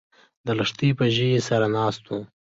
د لښتي په ژۍ سره ناست و